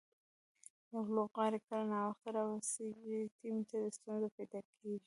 یو لوبغاړی کله ناوخته راورسېږي، ټیم ته ستونزه پېدا کیږي.